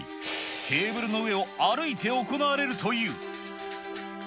ケーブルの上を歩いて行われるという。